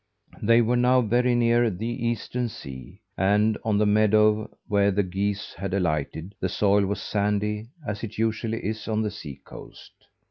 They were now very near the Eastern sea; and on the meadow where the geese had alighted the soil was sandy, as it usually is on the sea coast.